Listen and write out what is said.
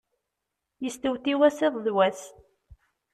Yestewtiw-as iḍ d wass.